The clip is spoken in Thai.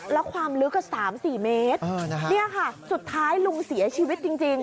แล้วความลึกก็๓๔เมตรนี่ค่ะสุดท้ายลุงเสียชีวิตจริง